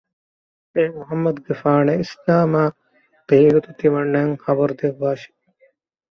އޭ މުޙައްމަދުގެފާނެވެ! އިސްލާމާ ބެހޭ ގޮތުން ތިމަންނާއަށް ޚަބަރު ދެއްވާ